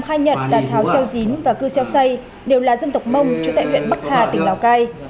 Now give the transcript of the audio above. khai nhật là thảo xeo dín và cư xeo xay đều là dân tộc mông trú tại huyện bắc hà tỉnh lào cai